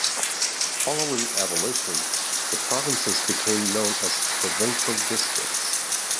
Following abolition, the provinces became known as provincial districts.